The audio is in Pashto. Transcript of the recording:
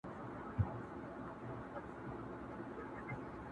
ستا د تورو زلفو لاندي جنتي ښکلی رخسار دی،